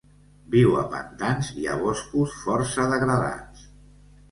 Viu a pantans i a boscos força degradats.